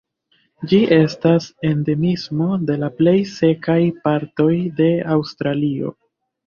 Ĝi estas endemismo de la plej sekaj partoj de Aŭstralio.